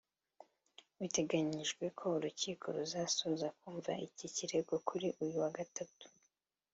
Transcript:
Biteganyijwe ko urukiko ruzasoza kumva iki kirego kuri uyu wa Gatatu